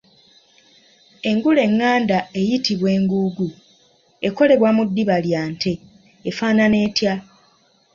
Engule enganda eyitibwa enguugu ekolebwa mu ddiba lya nte efaanana etya?